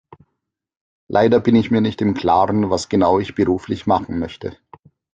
Leider bin ich mir nicht im Klaren, was genau ich beruflich machen möchte.